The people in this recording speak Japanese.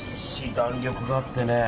弾力があってね。